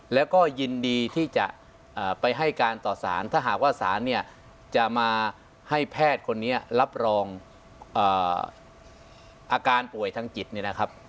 แล้วก็ยินดีที่จะไปให้การต่อสารถ้าหากว่าสารเนี่ยจะมาให้แพทย์คนนี้รับรองอาการป่วยทางจิตเนี่ยนะครับ